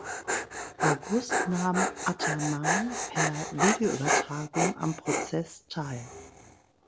August nahm Ataman per Videoübertragung am Prozess teil.